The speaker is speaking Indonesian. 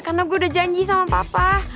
karena gue udah janji sama papa